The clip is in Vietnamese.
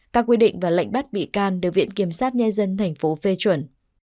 các quy định và lệnh bắt bị can được viện kiểm sát nhân dân tp phê chuẩn